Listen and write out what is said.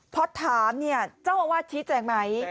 พอถามเจ้าอาวาสชี้แจงไหม